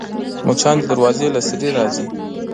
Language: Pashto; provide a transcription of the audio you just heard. مچان د دروازې له سوري راځي